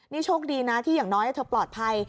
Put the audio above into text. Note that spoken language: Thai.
นี่โชคดีนะที่อย่างน้อยเธอปลอดภัย